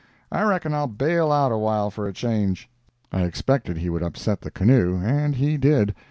I reckon I'll bail out a while for a change." I expected he would upset the canoe, and he did.